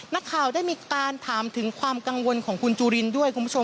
นักข่าวได้มีการถามถึงความกังวลของคุณจุลินด้วยคุณผู้ชม